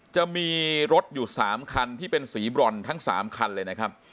จะมีรถอยู่๓คันที่เป็นสีบรอนทั้ง๓คันเลยนะครับ